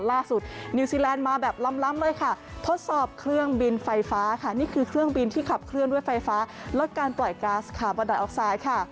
นิวซีแลนด์มาแบบล้ำเลยค่ะทดสอบเครื่องบินไฟฟ้าค่ะนี่คือเครื่องบินที่ขับเคลื่อนด้วยไฟฟ้าลดการปล่อยก๊าซคาร์บอนไดออกไซด์ค่ะ